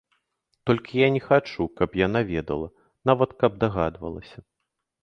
Толькі я не хачу, каб яна ведала, нават каб дагадвалася.